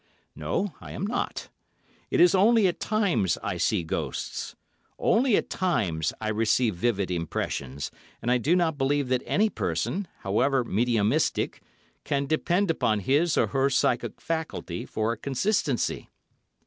No, I am not. It is only at times I see ghosts, only at times I receive vivid impressions, and I do not believe that any person, however mediumistic, can depend upon his or her psychic faculty for consistency.